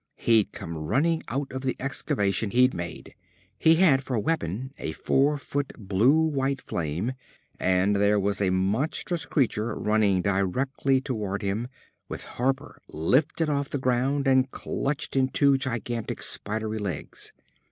He'd come running out of the excavation he'd made. He had for weapon a four foot blue white flame, and there was a monstrous creature running directly toward him, with Harper lifted off the ground and clutched in two gigantic, spidery legs.